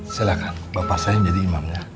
silahkan bapak saya menjadi imam ya